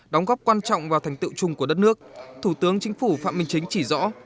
đóng góp quan trọng vào thành tựu chung của đất nước thủ tướng chính phủ phạm minh chính chỉ rõ